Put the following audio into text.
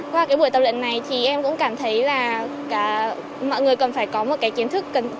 qua buổi tập luyện này thì em cũng cảm thấy là mọi người cần phải có một kiến thức